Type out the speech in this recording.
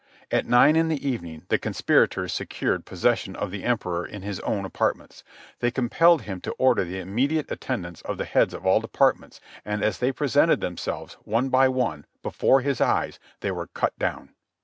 At nine in the evening the conspirators secured possession of the Emperor in his own apartments. They compelled him to order the immediate attendance of the heads of all departments, and as they presented themselves, one by one, before his eyes, they were cut down.